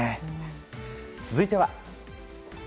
続いては。